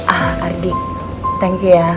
ah ardi thank you ya